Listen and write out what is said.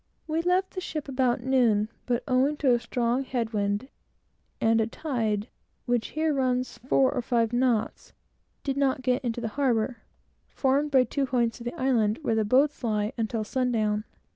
We left the ship about noon, but, owing to a strong head wind, and a tide, which here runs four or five knots, did not get into the harbor, formed by two points of the island, where the boats lie, until sundown.